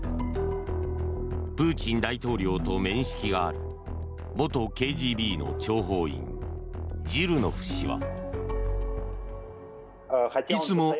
プーチン大統領と面識がある元ＫＧＢの諜報員ジルノフ氏は。